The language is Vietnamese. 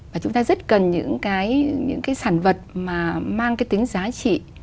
và chúng ta rất cần những cái những cái sản vật mà mang cái tính giá trị